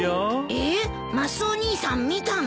えっマスオお兄さん見たの？